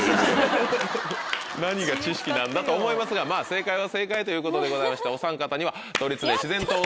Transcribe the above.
何が知識なんだ？と思いますが正解は正解ということでしておさん方には。